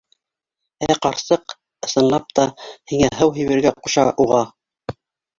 Ә ҡарсыҡ, ысынлап та, һиңә һыу һибергә ҡуша уға!